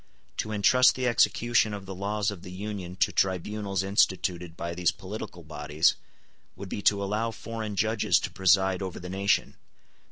To entrust the execution of the laws of the Union to tribunals instituted by these political bodies would be to allow foreign judges to preside over the nation.